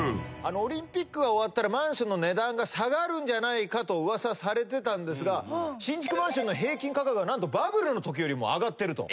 オリンピックが終わったらマンションの値段が下がるんじゃないかと噂されてたんですが新築マンションの平均価格が何とバブルのときよりも上がってると。